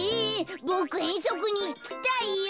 ボクえんそくにいきたいよ。